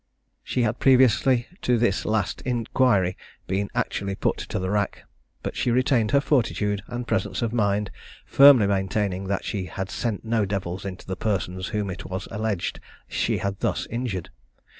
She had previously to this last inquiry, been actually put to the rack; but she retained her fortitude and presence of mind, firmly maintaining that she had sent no devils into the persons whom it was alleged she had thus injured.